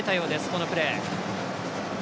このプレー。